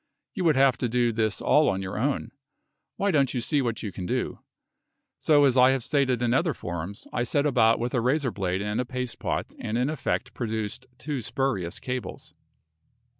You would have to do this all on your own. Why don't you see what you can do." So as I have stated in other forums, I set about with a razor blade and a paste pot and in effect produced two spurious cables.